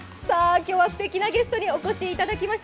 今日はすてきなゲストにお越しいただきました。